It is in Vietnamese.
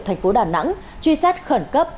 thành phố đà nẵng truy xét khẩn cấp